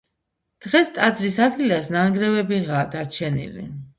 დღეს ტაძრის ადგილას ნანგრევებიღაა დარჩენილი.